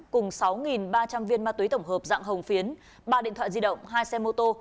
cùng sáu ba trăm linh viên ma túy tổng hợp dạng hồng phiến ba điện thoại di động hai xe mô tô